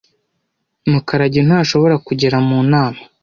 Mukarage ntashobora kugera mu nama.